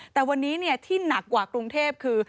แต่วันนี้ที่หนักกว่ากรุงเทพคือ